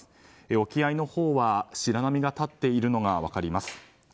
沖合のほうは白波が立っているのが分かります。